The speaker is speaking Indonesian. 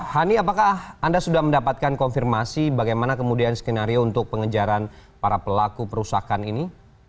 hani apakah anda sudah mendapatkan konfirmasi bagaimana kemudian skenario untuk pengejaran para pelaku perusakan ini